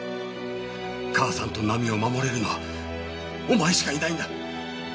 母さんと奈美を守れるのはお前しかいないんだ！